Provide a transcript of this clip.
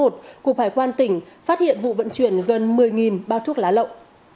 cục hải quan tỉnh phát hiện vụ vận chuyển gần một mươi bao thuốc lá lậu